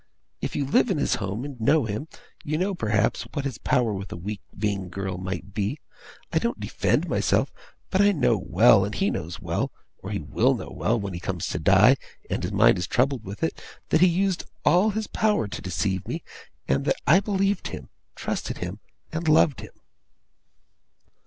If you live in his home and know him, you know, perhaps, what his power with a weak, vain girl might be. I don't defend myself, but I know well, and he knows well, or he will know when he comes to die, and his mind is troubled with it, that he used all his power to deceive me, and that I believed him, trusted him, and loved him!